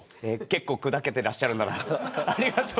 結構、砕けていらっしゃるんだなと。